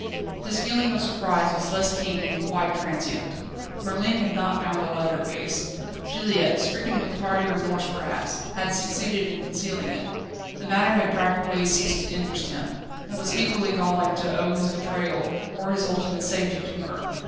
His feeling of surprise was less keen, and quite transient. Merlin had not found the letter case. Juliette, stricken with tardy remorse perhaps, had succeeded in concealing it. The matter had practically ceased to interest him. It was equally galling to owe his betrayal or his ultimate safety to her.